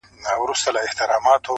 ستا په دې معاش نو کمه خوا سمېږي-